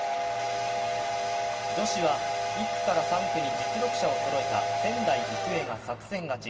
女子は１区から３区に実力者をそろえた仙台育英が作戦勝ち。